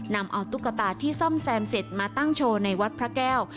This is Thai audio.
นำเอาตุ๊กตาที่ซ่อมแซมเสร็จมาตั้งโชว์ในวัดพระแก้ว